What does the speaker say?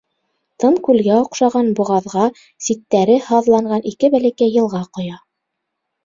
Тын күлгә оҡшаған боғаҙға ситтәре һаҙланған ике бәләкәй йылға ҡоя.